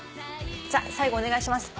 さあ最後お願いします。